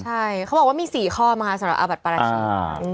ใช่เขาบอกว่ามี๔ข้อไหมคะสำหรับอาบัติปราชา